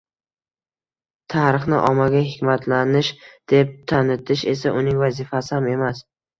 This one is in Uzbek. Tarixni ommaga hikmatlanish deb tanitish esa uning vazifasi ham emas